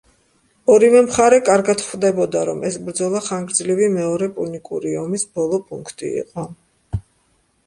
ორივე მხარე კარგად ხვდებოდა, რომ ეს ბრძოლა ხანგრძლივი მეორე პუნიკური ომის ბოლო პუნქტი იყო.